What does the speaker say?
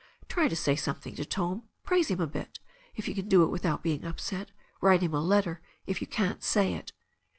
Try to say something to Tom; praise him a bit, if you can do it without being upset Write him a letter if you can't say it."